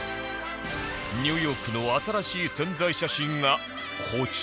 ニューヨークの新しい宣材写真がこちら